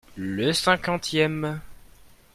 Le cinquantième.